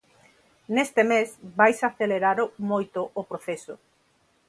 Neste mes vaise acelerar moito o proceso.